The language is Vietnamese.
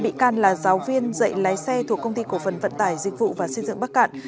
năm bị can là giáo viên dạy lái xe thuộc công ty cổ phần vận tải dịch vụ và xây dựng bắc cạn